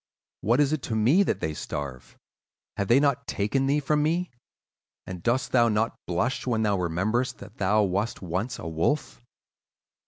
What is it to me that they starve? Have they not taken thee from me, and dost thou not blush when thou rememberest that thou wast once a wolf?